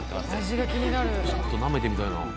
ちょっとなめてみたいな。